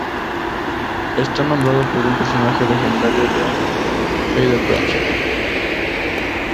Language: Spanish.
Está nombrado por un personaje legendario de Heidelberg.